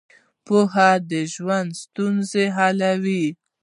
پوهه د ژوند ستونزې حلوي.